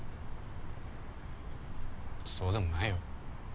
そうでもないよ。